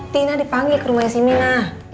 tina dipanggil ke rumah si mina